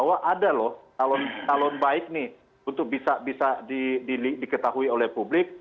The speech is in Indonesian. bahwa ada loh calon calon baik nih untuk bisa diketahui oleh publik